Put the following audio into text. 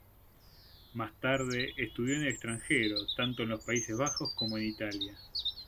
Más tarde, estudió en el extranjero, tanto en los Países Bajos como en Italia.